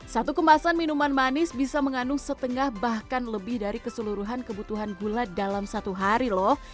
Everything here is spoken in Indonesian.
satu kemasan minuman manis bisa mengandung setengah bahkan lebih dari keseluruhan kebutuhan gula dalam satu hari loh